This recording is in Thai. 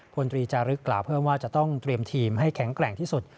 พลตรีจารึกกล่าวเพิ่มว่าจะต้องเตรียมทีมให้แข็งแกร่งที่สุด